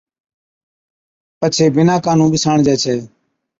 پڇي بِناڪان نُون ٻِساڻجي ڇَي